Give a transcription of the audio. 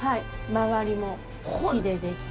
周りも木でできてまして。